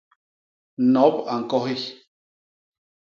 Nop a ñkohi.